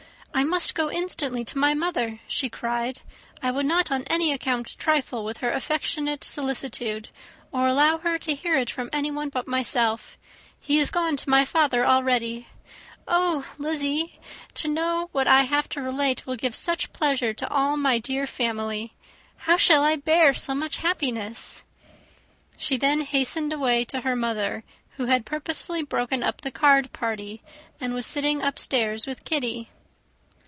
"I must go instantly to my mother," she cried. "I would not on any account trifle with her affectionate solicitude, or allow her to hear it from anyone but myself. He is gone to my father already. Oh, Lizzy, to know that what I have to relate will give such pleasure to all my dear family! how shall I bear so much happiness?" She then hastened away to her mother, who had purposely broken up the card party, and was sitting upstairs with Kitty.